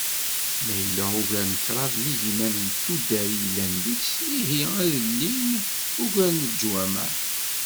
Ma yella ugar n kraḍ n yigiman n tuddar i yellan deg-s, ihi ad ilin ugar n leǧwamaɛ.